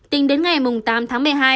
tính đến ngày tám tháng một mươi hai